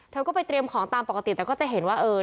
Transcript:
เธอก็ไปเตรียมของตามปกติแต่ก็จะเห็นว่าเออ